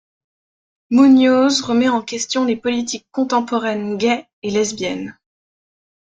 Muñoz remet en question les politiques contemporaines gay et lesbiennes.